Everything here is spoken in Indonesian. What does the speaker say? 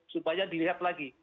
supaya dilihat lagi